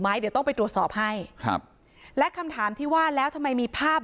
เดี๋ยวต้องไปตรวจสอบให้ครับและคำถามที่ว่าแล้วทำไมมีภาพ